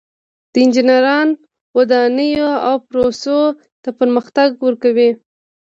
انجینران ودانیو او پروسو ته پرمختګ ورکوي.